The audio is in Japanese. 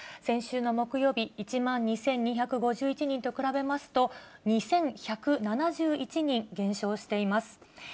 先週の木曜日、１万２２５１人と比べますと、２１７１人減少しています。